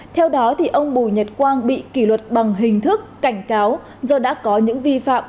theo đó ông bùi nhật quang bị kỷ luật bằng hình thức cảnh cáo do đã có những vi phạm